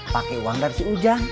pakai uang dari si ujang